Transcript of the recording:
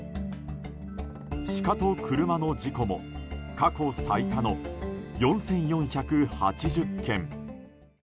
シカと車の事故も過去最多の４４８０件。